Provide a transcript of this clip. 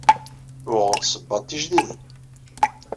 Uɣeɣ-d sebbaḍ tijdidin.